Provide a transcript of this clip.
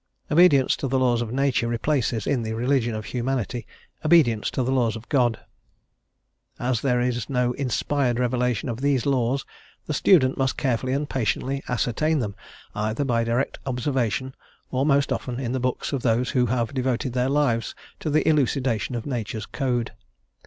Obedience to the laws of Nature replaces, in the religion of Humanity, obedience to the laws of God. As there is no inspired revelation of these laws the student must carefully and patiently ascertain them, either by direct observation, or most often, in the books of those who have devoted their lives to the elucidation of Nature's code.